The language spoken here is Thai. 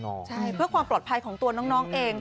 ใช่เพื่อความปลอดภัยของตัวน้องเอง